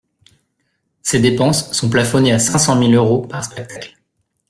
Ces dépenses sont plafonnées à cinq cent mille euros par spectacle.